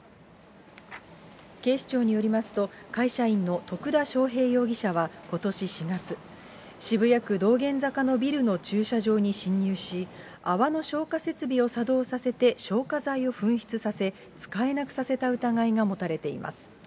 警視庁によりますと、会社員の徳田翔平容疑者はことし４月、渋谷区道玄坂のビルの駐車場に侵入し、泡の消火設備を作動させて、消火剤を噴出させて使えなくさせた疑いが持たれています。